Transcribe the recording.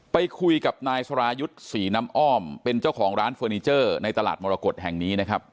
ไปคุยกับนายสรายุทธ์ศรีน้ำอ้อมเป็นเจ้าของร้านเฟอร์นิเจอร์ในตลาดมรกฏแห่งนี้นะครับ